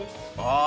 ああ。